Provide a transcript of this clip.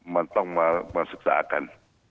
มันต้องมาศึกษากัน